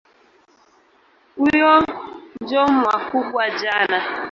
Uyo njo mwakugwa jana.